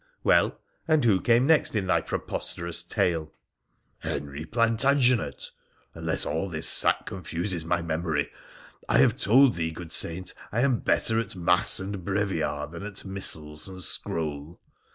' Well, and who came next in thy preposterous tale ?'' Henry Plantagenet — unless all this sack confuses my memory — I have told thee, good saint, I am better at mas3 and breviar than at missals and scroll.'